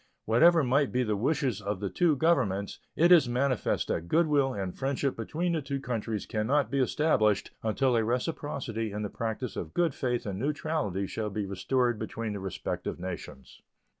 Whatever might be the wishes of the two Governments, it is manifest that good will and friendship between the two countries can not be established until a reciprocity in the practice of good faith and neutrality shall be restored between the respective nations.